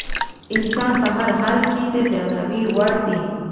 انسان په هر حال کې د درناوي وړ دی.